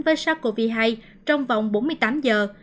với sars cov hai trong vòng bốn mươi tám giờ